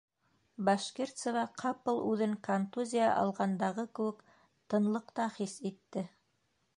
Башкирцева ҡапыл үҙен контузия алғандағы кеүек тынлыҡта хис итте.